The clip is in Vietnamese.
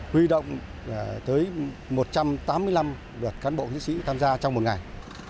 quy động tới một trăm tám mươi năm đợt cán bộ diễn sĩ tham gia trong một ngày